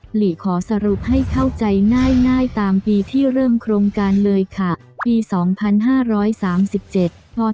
หลีขอสรุปให้เข้าใจง่ายตามปีที่เริ่มโครงการเลยค่ะปีสองพันห้าร้อยสามสิบเจ็ด